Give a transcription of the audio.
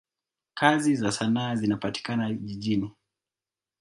Kazi za sanaa zinapatikana jijini.